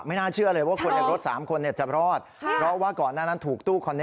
ไม่น่าเชื่อเลยว่าคนจากรถสามคนเนี้ยจะรอดค่ะเพราะว่าก่อนด้านนั้นถูกตู้